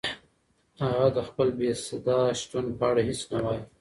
هغه د خپل بېصدا شتون په اړه هیڅ نه وایي.